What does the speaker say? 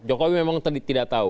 jokowi memang tidak tahu